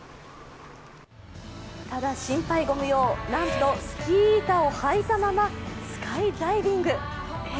ただ心配ご無用、なんとスキー板を履いたままスカイダイビング。